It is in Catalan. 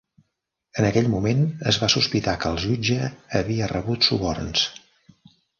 En aquell moment es va sospitar que el jutge havia rebut suborns.